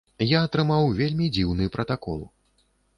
Я атрымаў вельмі дзіўны пратакол.